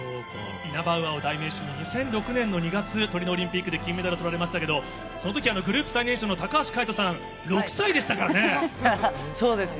イナバウアーを代名詞に２００６年の２月、トリノオリンピックで金メダルをとられましたけれども、そのとき、グループ最年少の高橋海人さん、６歳でしたからね。